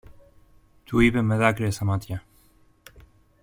του είπε με δάκρυα στα μάτια.